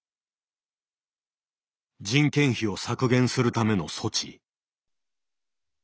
人件費を削減するための措置。